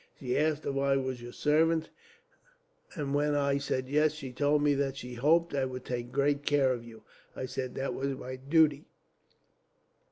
She asked if I was your servant, and when I said yes, she told me that she hoped I would take great care of you. I said that was my duty.